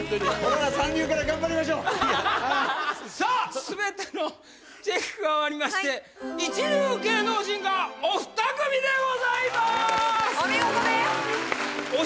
全てのチェックが終わりまして一流芸能人がお二組でございますお見事です